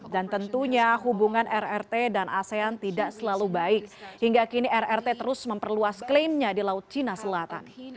dan tentunya hubungan rrt dan asean tidak selalu baik hingga kini rrt terus memperluas klaimnya di laut cina selatan